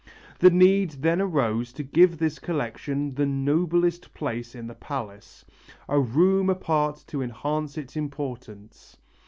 The need then arose to give this collection the noblest place in the palace, a room apart to enhance its importance.